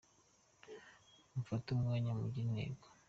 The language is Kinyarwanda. Mufate umwanya mugire intego